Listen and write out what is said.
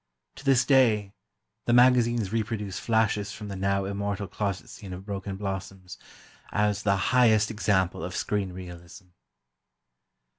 To this day, the magazines reproduce flashes from the now immortal closet scene of "Broken Blossoms," as the "highest example of screen realism."